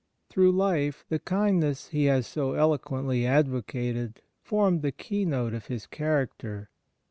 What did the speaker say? Through life the kindness he has so eloquently advocated formed the keynote of his character.